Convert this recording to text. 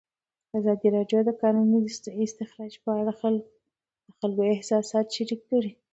ازادي راډیو د د کانونو استخراج په اړه د خلکو احساسات شریک کړي.